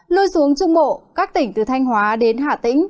lui xuống trung bộ các tỉnh từ thanh hóa đến hà tĩnh